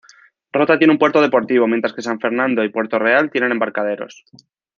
Rota tiene un puerto deportivo, mientras que San Fernando y Puerto Real tienen embarcaderos.